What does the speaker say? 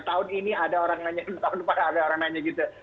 tahun ini ada orang nanya tahun depan ada orang nanya gitu